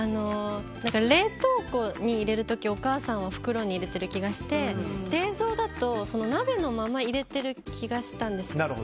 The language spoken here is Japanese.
冷凍庫に入れる時、お母さんは袋に入れてる気がして冷蔵だと鍋のまま入れてる気がしたんです。